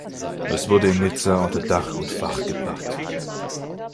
Das wurde in Nizza unter Dach und Fach gebracht.